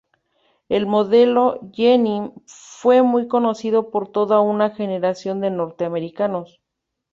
El modelo "Jenny" fue muy conocido por toda una generación de norteamericanos.